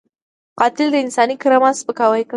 قاتل د انساني کرامت سپکاوی کوي